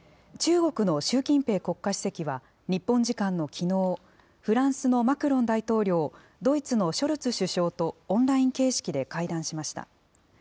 中国の習近平国家主席は、日本時間のきのう、フランスのマクロン大統領、ドイツのショルツ首相とオンライン形式で会談しました。